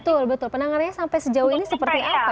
betul betul penangannya sampai sejauh ini seperti apa ya